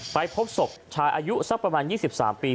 ไปพบศพชายอายุสักประมาณ๒๓ปี